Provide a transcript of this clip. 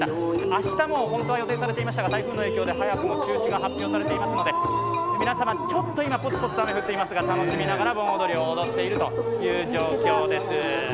明日も予定されていましたが台風の影響で早くも中止が発表されていますので皆様、今、ちょっとポツポツと雨が降っていますが楽しみながら盆踊りを踊っているという状況です。